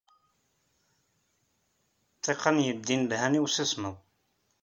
Ṭṭiqan yeldin llhan i usismeḍ.